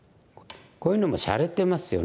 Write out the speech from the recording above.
こういうのもしゃれてますよね。